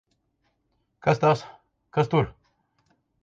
Kas tas! Kas tur!